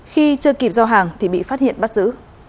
khi chưa kịp giao hàng thì bị phát hiện bắt giữ